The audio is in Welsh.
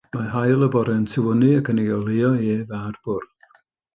Mae haul y bore yn tywynnu ac yn ei oleuo ef a'r bwrdd.